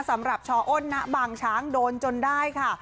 สำหรับชอ้นณบางช้างโดนจนได้ค่ะ